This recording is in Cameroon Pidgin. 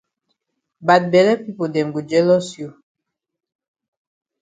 Bad bele pipo dem go jealous you.